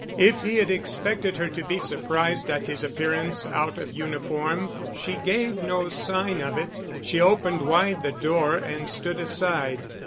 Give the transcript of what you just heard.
If he had expected her to be surprised at his appearance out of uniform she gave no sign of it. She opened wide the door and stood aside.